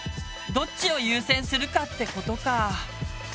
どっちを優先するかってことか。